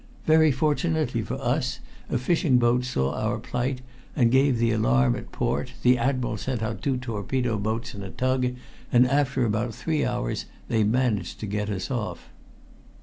Very fortunately for us a fishing boat saw our plight and gave the alarm at port. The Admiral sent out two torpedo boats and a tug, and after about three hours they managed to get us off."